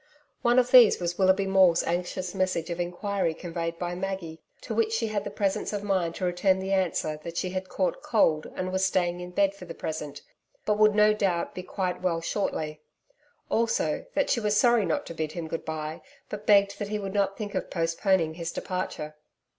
One of these was Willoughby Maule's anxious message of enquiry conveyed by Maggie, to which she had the presence of mind to return the answer that she had caught cold, and was staying in bed for the present, but would no doubt be quite well shortly. Also that she was sorry not to bid him good bye, but begged that he would not think of postponing his departure.